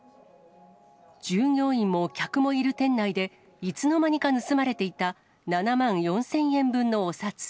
従業員も客もいる店内で、いつの間にか盗まれていた７万４０００円分のお札。